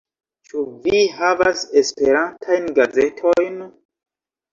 Ĉu vi havas esperantajn gazetojn?